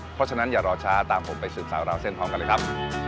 เพราะฉะนั้นอย่ารอช้าตามผมไปสืบสาวราวเส้นพร้อมกันเลยครับ